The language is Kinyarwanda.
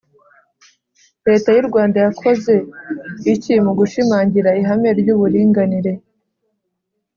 Leta y’u Rwanda yakoze iki mu gushimangira ihame ry’uburinganire